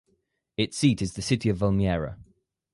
Its seat is the city of Valmiera.